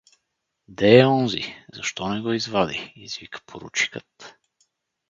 — Де е онзи? Защо не го извади? — извика поручикът.